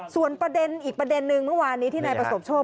ส่วนประเด็นอีกประเด็นนึงเมื่อวานนี้ที่นายประสบโชค